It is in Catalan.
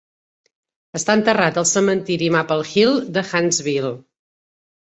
Està enterrat al cementiri Maple Hill de Huntsville.